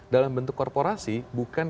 dalam bentuk korporasi bukan